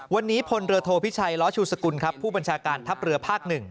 วันนี้พลเรือโทพิชัยล้อชูสกุลครับผู้บัญชาการทัพเรือภาค๑